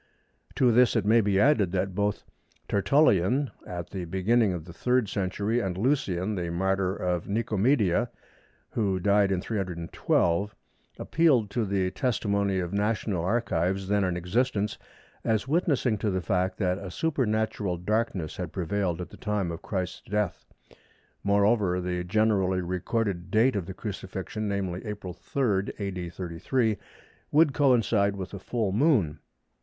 To this it may be added that both Tertullian at the beginning of the 3rd century and Lucian, the martyr of Nicomedia, who died in 312, appealed to the testimony of national archives then in existence, as witnessing to the fact that a supernatural darkness had prevailed at the time of Christ's death. Moreover, the generally recorded date of the Crucifixion, namely, April 3, A.D. 33, would coincide with a full Moon.